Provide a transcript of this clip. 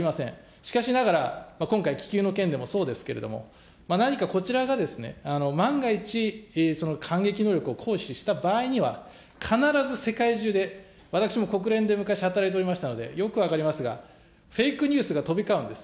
しかしながら、今回、気球の件でもそうですけれども、何かこちらが万が一、その反撃能力を行使した場合には、必ず世界中で、私も国連で昔、働いておりましたので、よく分かりますが、フェイクニュースが飛び交うんです。